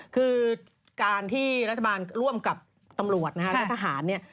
คือการที่รัฐบาลร่วมกับตำรวจนะฮะและทหารเนี่ย